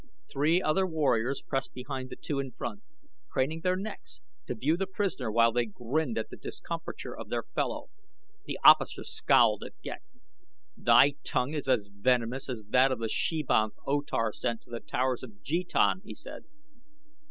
Three other warriors pressed behind the two in front, craning their necks to view the prisoner while they grinned at the discomfiture of their fellow. The officer scowled at Ghek. "Thy tongue is as venomous as that of the she banth O Tar sent to The Towers of Jetan," he said.